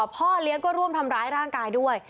พ่อเลี้ยงก็ร่วมทำร้ายร่างกายด้วย